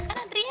ya tante ya